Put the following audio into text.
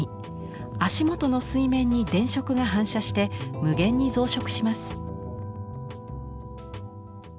足元の水面に電飾が反射して無限に増殖します。